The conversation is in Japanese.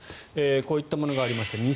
こういったものがありました。